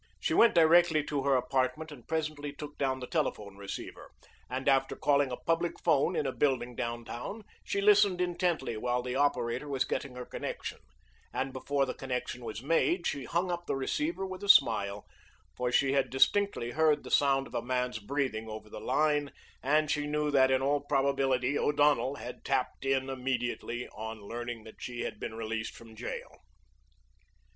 She went directly to her apartment and presently took down the telephone receiver, and after calling a public phone in a building down town, she listened intently while the operator was getting her connection, and before the connection was made she hung up the receiver with a smile, for she had distinctly heard the sound of a man's breathing over the line, and she knew that in all probability O'Donnell had tapped in immediately on learning that she had been released from jail.